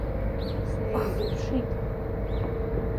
Снеизыԥшит.